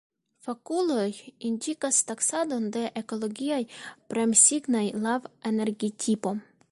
Fakuloj indikas taksadon de ekologiaj premsignaj laŭ energitipo.